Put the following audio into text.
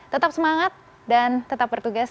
tetap semangat dan tetap bertugas